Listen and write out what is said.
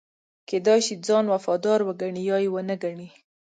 کېدای شي ځان وفادار وګڼي یا یې ونه ګڼي.